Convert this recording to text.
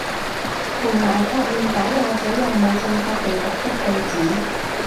同埋確認講話者有冇正確地讀出句子